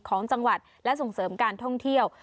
ของจังหวัดและส่งเสริมการท่องเที่ยว